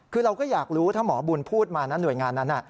คือเราก็อยากรู้ถ้าหมอบุญพูดมานะหน่วยงานนั้น